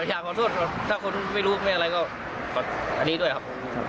อยากขอโทษถ้าคนไม่รู้ไม่อะไรก็อันนี้ด้วยครับ